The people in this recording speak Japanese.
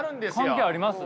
関係あります？